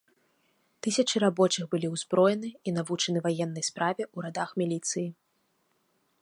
Тысячы рабочых былі ўзброены і навучаны ваеннай справе ў радах міліцыі.